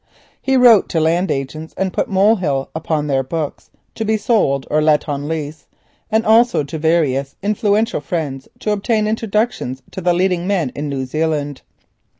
He wrote to land agents and put Molehill upon their books to be sold or let on lease, and also to various influential friends to obtain introductions to the leading men in New Zealand.